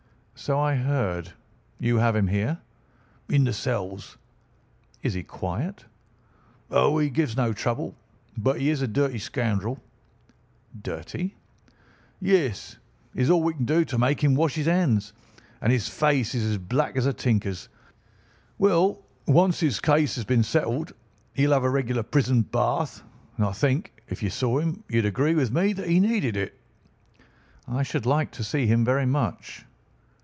"So I heard. You have him here?" "In the cells." "Is he quiet?" "Oh, he gives no trouble. But he is a dirty scoundrel." "Dirty?" "Yes, it is all we can do to make him wash his hands, and his face is as black as a tinker's. Well, when once his case has been settled, he will have a regular prison bath; and I think, if you saw him, you would agree with me that he needed it." "I should like to see him very much."